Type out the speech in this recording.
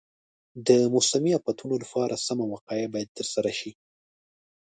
د موسمي افتونو لپاره سمه وقایه باید ترسره شي.